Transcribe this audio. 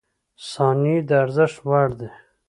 • ثانیې د ارزښت وړ دي.